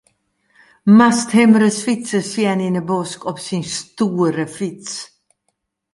Moatst him ris fytsen sjen yn 'e bosk op syn stoere fyts.